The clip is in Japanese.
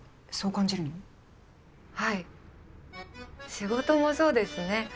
仕事もそうですね。